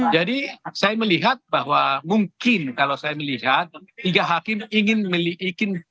jadi saya melihat bahwa mungkin kalau saya melihat tiga hakim ingin melihat